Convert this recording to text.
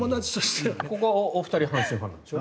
ここはお二人阪神ファンなんでしょ？